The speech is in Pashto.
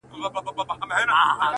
شمع هر څه ویني راز په زړه لري٫